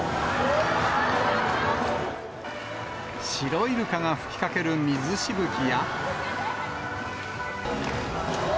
シロイルカが吹きかける水しぶきや。